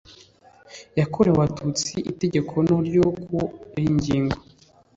yakorewe abatutsi itegeko no ryo ku wa ingingo